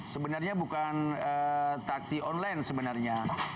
sebenarnya bukan taksi online sebenarnya